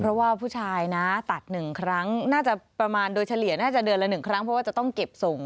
เพราะว่าผู้ชายนะตัด๑ครั้งน่าจะประมาณโดยเฉลี่ยน่าจะเดือนละ๑ครั้งเพราะว่าจะต้องเก็บส่ง